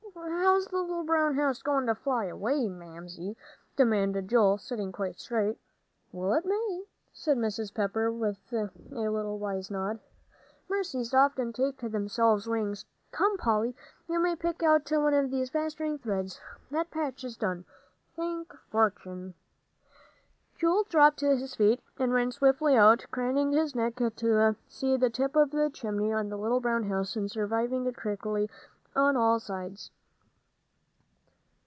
"How's the little brown house going to fly away, Mamsie?" demanded Joel, sitting quite straight. "Well, it may," said Mrs. Pepper, with a wise little nod. "Mercies often take to themselves wings. Come, Polly, you may pick out these basting threads; that patch is done, thank fortune!" Joel hopped to his feet, and ran swiftly out, craning his neck to see the tip of the chimney on the little house, and surveying it critically on all sides.